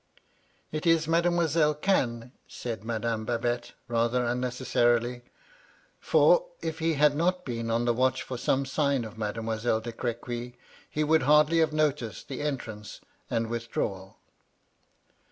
'It is Mademoiselle Cannes,' said Madame Babette, rather unnecessarily ; for, if he had not been on the watch for some sign of Mademoiselle de Cr Ajuy, he would hardly have noticed the entrance and with drawal.